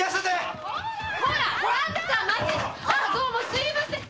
すみません。